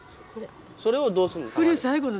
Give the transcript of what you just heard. それをどうするの？